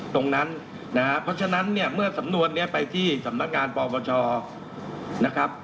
ตรงนั้นนะฮะเพราะฉะนั้นเนี่ยเมื่อสำนวนนี้ไปที่สำนักงานปปชนะครับ